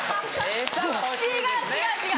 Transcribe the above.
違う違う違う。